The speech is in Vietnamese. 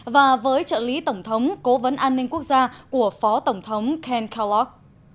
và với trợ lý tổng thống cố vấn an ninh quốc gia của phó tổng thống ken kellog